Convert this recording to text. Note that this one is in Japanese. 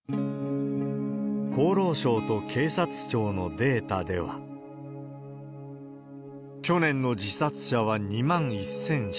厚労省と警察庁のデータでは、去年の自殺者は２万１００７人。